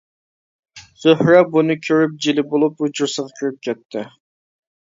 زۆھرە بۇنى كۆرۈپ جىلە بولۇپ ھۇجرىسىغا كىرىپ كېتەتتى.